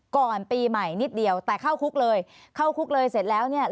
ก่อนปีใหม่นิดเดียวแต่เข้าคุกเลยเข้าคุกเลยเสร็จแล้วเนี่ย